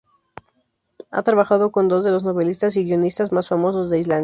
Ha trabajado con dos de los novelistas y guionistas más famosos de Islandia.